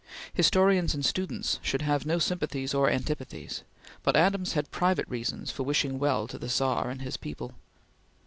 Historians and students should have no sympathies or antipathies, but Adams had private reasons for wishing well to the Czar and his people.